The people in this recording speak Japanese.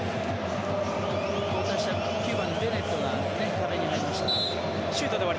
９番のベネットが壁に入りました。